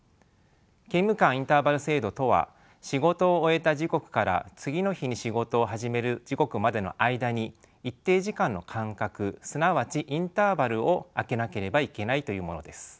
勤務間インターバル制度とは仕事を終えた時刻から次の日に仕事を始める時刻までの間に一定時間の間隔すなわちインターバルを空けなければいけないというものです。